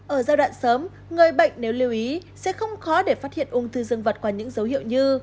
ở giai đoạn sớm người bệnh nếu lưu ý sẽ không khó để phát hiện ung thư dân vật qua những dấu hiệu như